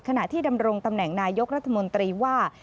ขณะที่ดำรงตำแหน่งนายกรัฐมนตรีว่า